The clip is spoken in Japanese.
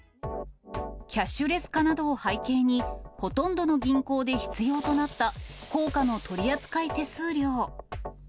キャッシュレス化などを背景に、ほとんどの銀行で必要となった硬貨の取り扱い手数料。